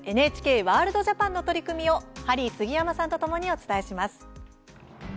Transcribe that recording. ＮＨＫワールドＪＡＰＡＮの取り組みをハリー杉山さんとともにお伝えします。